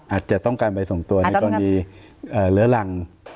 อาจจะต้องการไปส่งตัวในกรณีเลื้อรัง